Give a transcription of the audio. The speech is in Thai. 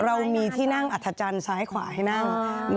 เรามีที่นั่งอัธจันทร์ซ้ายขวาให้นั่ง